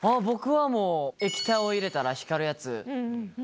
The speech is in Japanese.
僕はもう液体を入れたら光るやつ。